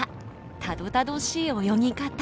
たどたどしい泳ぎ方。